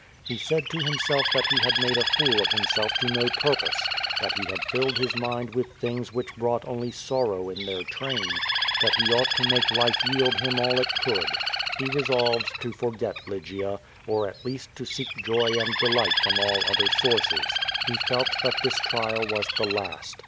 He said to himself that he had made a fool of himself to no purpose, that he had filled his mind with things which brought only sorrow in their train, that he ought to make life yield him all it could. He re solved to forget Lygia, or at least to seek joy and delight from all other sources. He felt that this trial was the last.